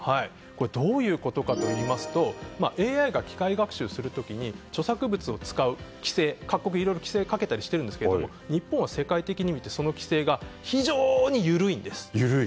どういうことかといいますとＡＩが機械学習する時に著作物を利用する規制各国いろいろ規制をかけていますが日本は世界的にもその規制が非常に緩いんです。